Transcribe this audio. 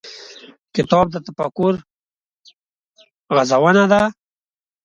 کتاب د تفکر غزونه ده.